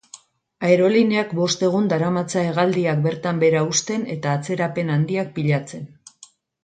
Airelineak bost egun daramatza hegaldiak bertan behera uzten eta atzerapen handiak pilatzen.